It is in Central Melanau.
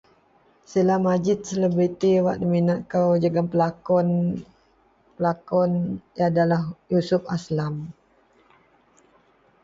shila majid Selebrity wak diminat kou jegum pelakon-pelakon adalah yusuf haslam